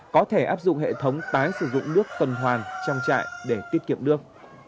có thể áp dụng hệ thống tái sử dụng nước tuần hoàn trong trại để tiết kiệm nước